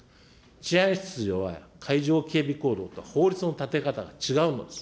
治安秩序は海上警備航路と法律の立て方が違うのです。